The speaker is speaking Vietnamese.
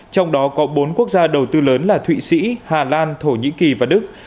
trong đó có bốn quốc gia đầu tư lớn là thụy sĩ hà lan thổ nhĩ kỳ và đức